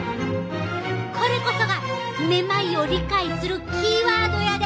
これこそがめまいを理解するキーワードやで！